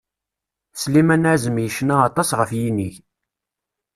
Sliman Azem yecna aṭas ɣef yinig.